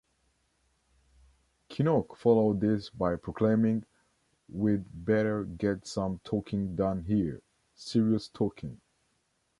Kinnock followed this by proclaiming We'd better get some talking done here, serious talking.